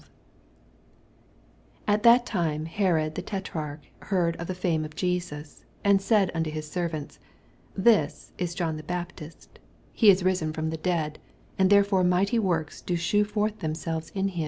1 At that time Herod the Tetrarch heard of the fame of Jesus, 2 Aud said onto his servants, This ia John the Baptist ; he is risen fh>m the dead : aud therefore mis^ht^ worka do shew rorth themselves in hmi.